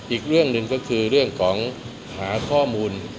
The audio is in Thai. อีกเรื่องหนึ่งก็คือเรื่องของหาข้อมูล